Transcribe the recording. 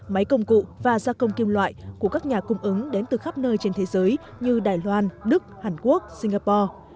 máy công cụ và gia công kim loại của các nhà cung ứng đến từ khắp nơi trên thế giới như đài loan đức hàn quốc singapore